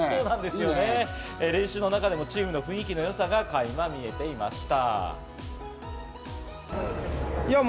練習の中でもチームの雰囲気の良さがかいま見えていました。